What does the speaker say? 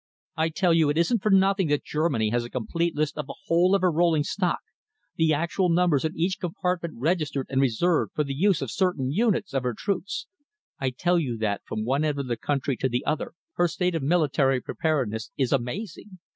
I tell you it isn't for nothing that Germany has a complete list of the whole of her rolling stock, the actual numbers in each compartment registered and reserved for the use of certain units of her troops. I tell you that from one end of the country to the other her state of military preparedness is amazing.